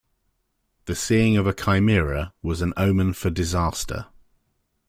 The seeing of a Chimera was an omen for disaster.